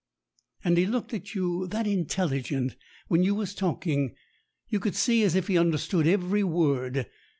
And he looked at you that intelligent, when you was talking, you could see as he understood every word.